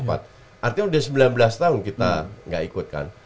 artinya sudah sembilan belas tahun kita nggak ikut kan